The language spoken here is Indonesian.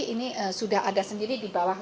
ini sudah ada sendiri di bawah